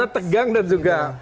karena tegang dan juga